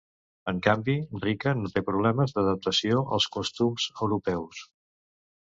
En canvi, Rica no té problemes d'adaptació als costums europeus.